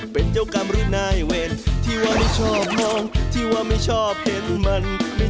โปรดติดตามต่อไป